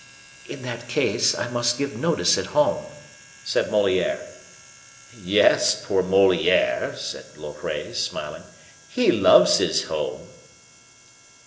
"In that case, I must give notice at home," said Moliere. "Yes; poor Moliere!" said Loret, smiling; "he loves his home."